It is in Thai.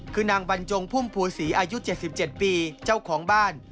คือนางบรรจงพุ่มภูศรีอายุ๗๗ปีเจ้าของบ้าน